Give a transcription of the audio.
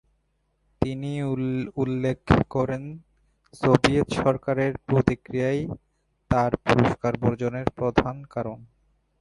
তিনি উল্লেখ করেন, সোভিয়েত সরকারের প্রতিক্রিয়াই তার পুরস্কার বর্জনের প্রধান কারণ।